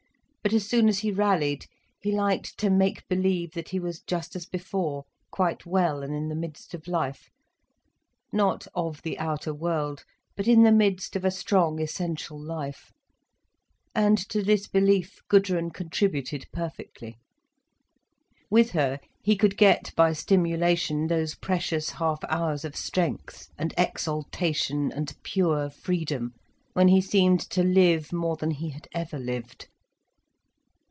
But as soon as he rallied, he liked to make believe that he was just as before, quite well and in the midst of life—not of the outer world, but in the midst of a strong essential life. And to this belief, Gudrun contributed perfectly. With her, he could get by stimulation those precious half hours of strength and exaltation and pure freedom, when he seemed to live more than he had ever lived.